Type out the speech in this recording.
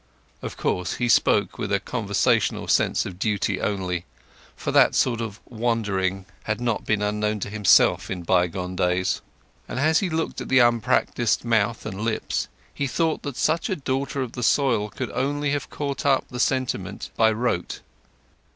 Of course he spoke with a conventional sense of duty only, for that sort of wondering had not been unknown to himself in bygone days. And as he looked at the unpracticed mouth and lips, he thought that such a daughter of the soil could only have caught up the sentiment by rote.